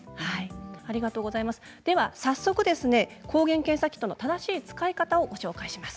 では早速、抗原検査キットの正しい使い方をご紹介します。